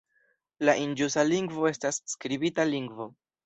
La inguŝa lingvo estas skribita lingvo.